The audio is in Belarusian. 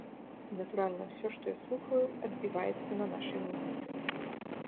І, натуральна, усё, што я слухаю, адбіваецца на нашай музыцы.